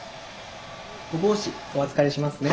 お帽子お預かりしますね。